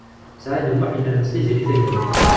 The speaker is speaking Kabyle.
Saɛid U Muḥ yennermes Tiziri Tagawawt.